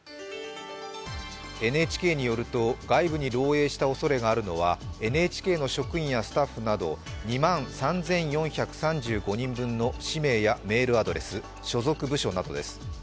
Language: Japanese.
ＮＨＫによると、外部に漏えいしたおそれがあるのはＮＨＫの職員やスタッフなど２万３４３５人分の氏名やメールアドレス、所属部署などです。